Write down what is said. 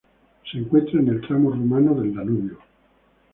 Se encuentra en el tramo rumano del Danubio.